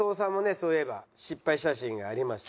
そういえば失敗写真がありました。